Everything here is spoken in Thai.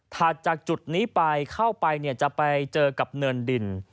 จากจุดนี้ไปเข้าไปจะไปเจอกับเนินดิน